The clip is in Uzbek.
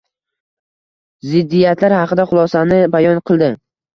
Ziddiyatlar haqida xulosani bayon qildi